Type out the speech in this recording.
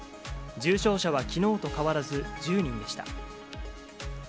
重症者はきのうと変わらず１０人でした。